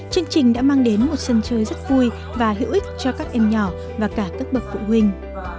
chương trình đã mang đến một sân chơi rất vui và hữu ích cho các em nhỏ và cả các bậc phụ huynh